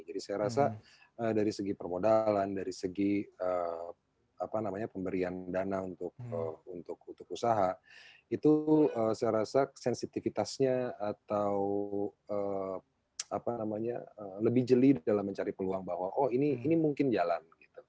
jadi saya rasa dari segi permodalan dari segi pemberian dana untuk usaha itu saya rasa sensitivitasnya atau lebih jeli dalam mencari peluang bahwa oh ini mungkin jalan